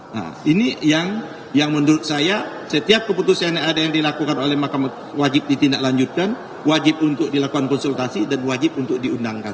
nah ini yang menurut saya setiap keputusan yang ada yang dilakukan oleh makam wajib ditindaklanjutkan wajib untuk dilakukan konsultasi dan wajib untuk diundangkan